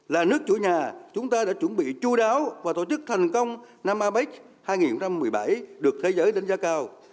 là nước chủ nhà chúng ta đã chuẩn bị chú đáo và tổ chức thành công năm apec hai nghìn một mươi bảy được thế giới đánh giá cao